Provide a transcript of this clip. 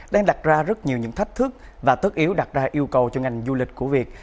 đang đặt ra rất nhiều những thách thức và tất yếu đặt ra yêu cầu cho ngành du lịch của việt